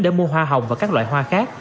để mua hoa hồng và các loại hoa khác